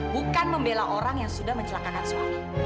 bukan membela orang yang sudah mencelakangan suami